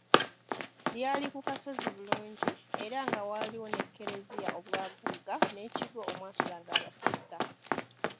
Lyali ku kasozi bulungi era nga waaliwo ne Kereziya obwaguuga n'ekigo omwasulanga abasisita.